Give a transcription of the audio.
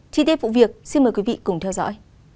chi tiết vụ việc xin mời quý vị cùng theo dõi